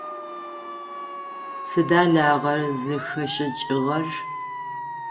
Сыда лагъэр зыхэшӏыкӏыгъэр?